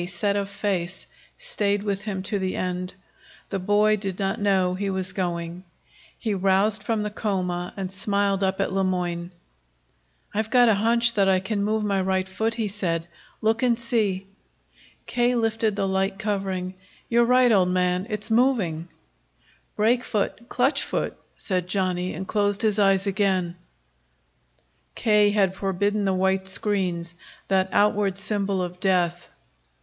set of face, stayed with him to the end. The boy did not know he was going. He roused from the coma and smiled up at Le Moyne. "I've got a hunch that I can move my right foot," he said. "Look and see." K. lifted the light covering. "You're right, old man. It's moving." "Brake foot, clutch foot," said Johnny, and closed his eyes again. K. had forbidden the white screens, that outward symbol of death.